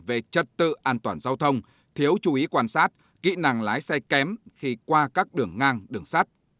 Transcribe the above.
về trật tự an toàn giao thông thiếu chú ý quan sát kỹ năng lái xe kém khi qua các đường ngang đường sắt